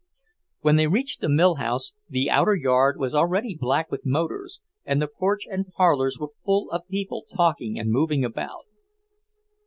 When they reached the mill house the outer yard was already black with motors, and the porch and parlours were full of people talking and moving about.